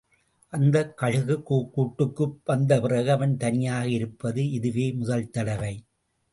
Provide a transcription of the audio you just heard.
அந்தக் கழுகுக் கூட்டுக்கு வந்த பிறகு அவன் தனியாக இருப்பது இதுவே முதல் தடவை.